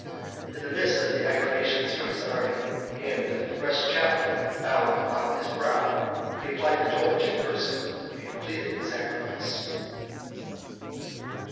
In the midst of acclamations from his army, and with a fresh chaplet bound upon his brow, he applied the torch in person, and completed the sacrifice.